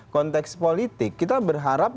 konteks politik kita berharap